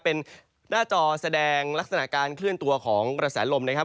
เป็นหน้าจอแสดงลักษณะการเคลื่อนตัวของกระแสลมนะครับ